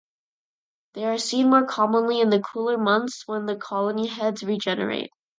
They are seen more commonly in the cooler months when the colony heads regenerate.